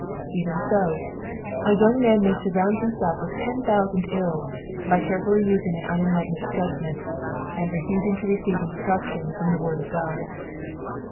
Even so, a young man may surround himself with ten thousand ills, by carefully using an unenlightened judgment, and refusing to receive instruction from the word of God.